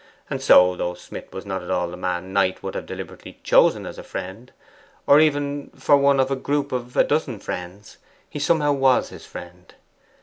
And so, though Smith was not at all the man Knight would have deliberately chosen as a friend or even for one of a group of a dozen friends he somehow was his friend.